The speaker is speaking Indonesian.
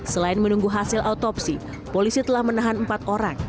selain menunggu hasil autopsi polisi telah menahan empat orang